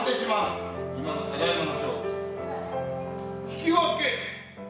引き分け。